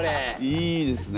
いいですね。